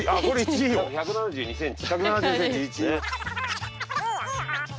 約１７２ｃｍ。